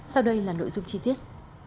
sau đây là nội dung chi tiết